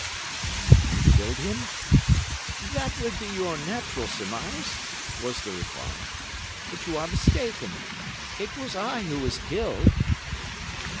"'And you killed him?' "'That would be your natural surmise,' was the reply. 'But you are mistaken. It was I who was killed.